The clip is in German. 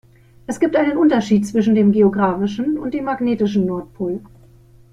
Es gibt einen Unterschied zwischen dem geografischen und dem magnetischen Nordpol.